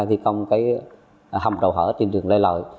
hầm đầu hở trên đường lê lợi